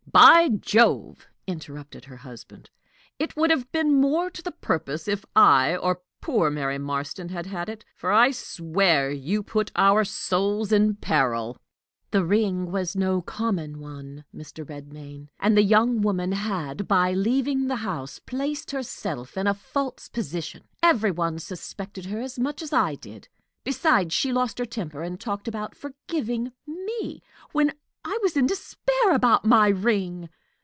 "By Jove!" interrupted her husband, "it would have been more to the purpose if I, or poor Mary Marston, had had it; for I swear you put our souls in peril!" "The ring was no common one, Mr. Redmain; and the young woman had, by leaving the house, placed herself in a false position: every one suspected her as much as I did. Besides, she lost her temper, and talked about forgiving me, when I was in despair about my ring!"